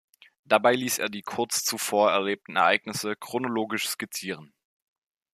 Dabei ließ er die kurz zuvor erlebten Ereignisse chronologisch skizzieren.